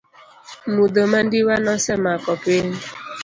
Mudho mandiwa nosemako piny.